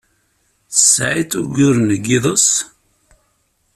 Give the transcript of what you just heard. Tesɛiḍ uguren deg yiḍes?